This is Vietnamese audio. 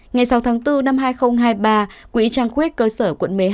ngày sáu tháng bốn năm hai nghìn hai mươi ba quỹ trang khuyết cơ sở quận một mươi hai